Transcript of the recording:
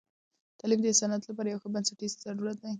تعلیم د انسانیت لپاره یو بنسټیز ضرورت دی.